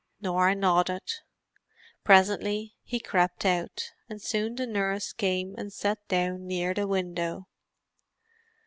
Norah nodded. Presently he crept out; and soon the nurse came and sat down near the window.